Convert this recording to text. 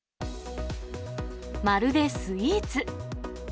まるでスイーツ。